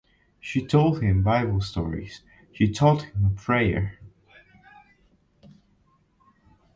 She told him bible stories, she taught him a prayer.